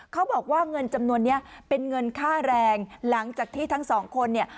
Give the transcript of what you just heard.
เขาบอกว่าเงินจำนวนนี้เป็นเงินค่าแรงหลังจากที่ทั้งสองคนเนี่ย